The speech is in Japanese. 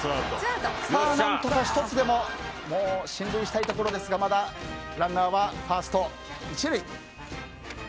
何とか１つでも進塁したいところですがまだランナーはファースト１塁。